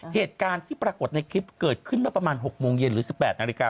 เหตุการณ์ที่ปรากฏในคลิปเกิดขึ้นเมื่อประมาณ๖โมงเย็นหรือ๑๘นาฬิกา